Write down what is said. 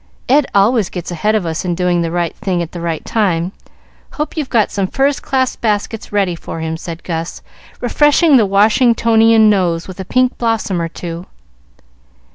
"Ed always gets ahead of us in doing the right thing at the right time. Hope you've got some first class baskets ready for him," said Gus, refreshing the Washingtonian nose with a pink blossom or two.